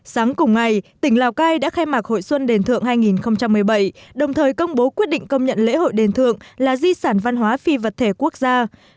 sáng cùng ngày tỉnh lào cai đã khai mạc hội xuân đền thượng hai nghìn một mươi bảy đồng thời công bố quyết định công nhận lễ hội đền thượng là di sản văn hóa phi vật thể quốc gia